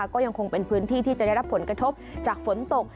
ก็ยังคงเป็นพื้นที่ที่จะได้รับผลกระทบจากฝนตก